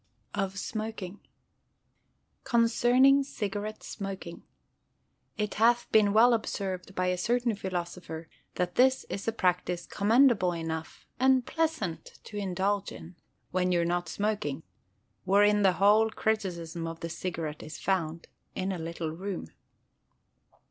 Of Smoking Concerning Cigarette Smoking: It hath been well observed by a certain philosopher that this is a practice commendable enough, and pleasant to indulge in, "when you're not smoking"; wherein the whole criticism of the cigarette is found, in a little room.